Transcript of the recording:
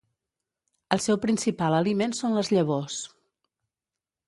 El seu principal aliment són les llavors.